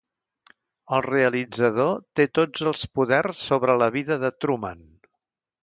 El realitzador té tots els poders sobre la vida de Truman.